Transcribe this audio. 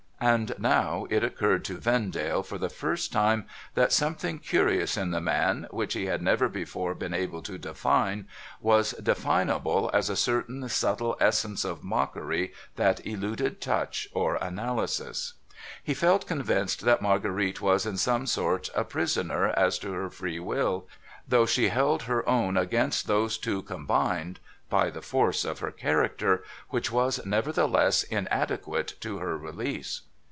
And now it occurred to Vendale for the first time that something curious in the man, which he had never before been able to define, was definable as a certain subtle essence of mockery that eluded touch or analysis. He felt convinced that Marguerite was in some sort a prisoner as to her free will — though she held her own against those two combined, by the force of her character, which was nevertheless inadequate to her release.